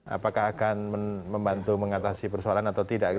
apakah akan membantu mengatasi persoalan atau tidak